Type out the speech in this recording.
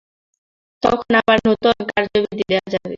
তখন আবার নূতন কার্যবিধি দেখা যাবে।